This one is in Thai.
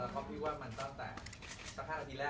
คือพี่ไม่ได้กันน้ำอยู่เลย